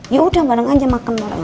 yaudah bareng aja makan bareng